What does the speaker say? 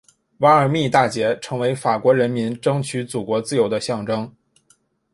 瓦尔密大捷成为法国人民争取祖国自由的象征。